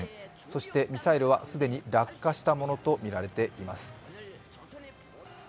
そしてミサイルは既に落下したものとみられています。